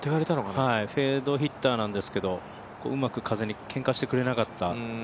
フェードヒッターなんですけど、うまく風にけんかしてくれなかった。